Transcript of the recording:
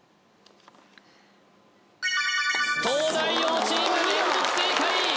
東大王チーム連続正解